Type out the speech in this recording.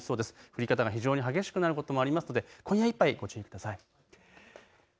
降り方が非常に激しくなることもありますので今夜いっぱいご注意ください。